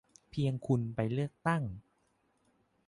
เพียงคุณไปเลือกตั้ง